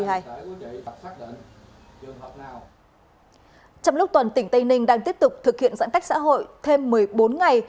trong lúc toàn tỉnh tây ninh đang tiếp tục thực hiện giãn cách xã hội thêm một mươi bốn ngày